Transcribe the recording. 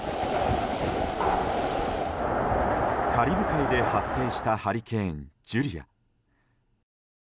カリブ海で発生したハリケーン、ジュリア。